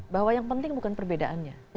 bahwa yang penting bukan perbedaannya